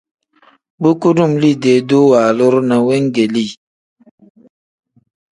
Bu kudum liidee-duu waaluru ne weegeeli.